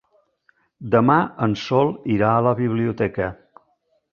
Demà en Sol irà a la biblioteca.